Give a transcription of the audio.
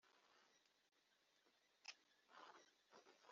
umusaruro ukomoka ku kazi